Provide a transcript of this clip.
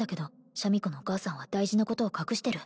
シャミ子のお母さんは大事なことを隠してる